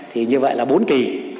thì như vậy là bốn kỳ